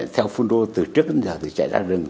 theo fungro từ trước đến giờ thì chạy ra rừng